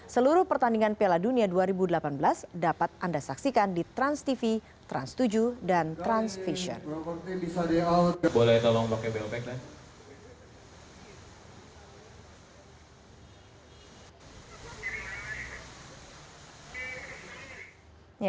seluruh pertandingan piala dunia dua ribu delapan belas dapat anda saksikan di transtv trans tujuh dan transvision